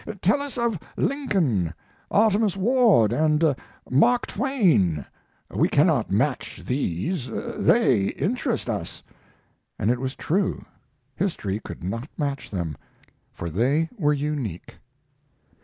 Tell us of Lincoln, Artemus Ward, and Mark Twain. We cannot match these; they interest us." And it was true. History could not match them, for they were unique.